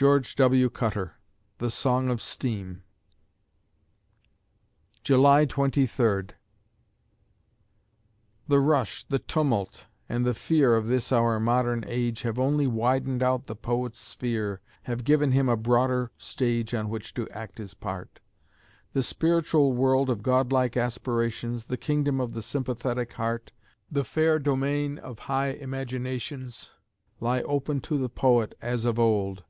GEORGE W. CUTTER (The Song of Steam) July Twenty Third ... The rush, the tumult, and the fear Of this our modern age Have only widened out the poet's sphere, Have given him a broader stage On which to act his part. The spiritual world of godlike aspirations, The kingdom of the sympathetic heart, The fair domain of high imaginations, Lie open to the poet as of old.